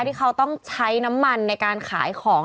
ที่เขาต้องใช้น้ำมันในการขายของ